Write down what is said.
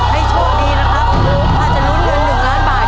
ให้โชคดีนะครับอาจจะลุ้นเงินหนึ่งล้านบาท